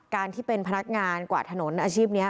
การที่เป็นพนักงานกว่าถนนอาชีพเนี่ย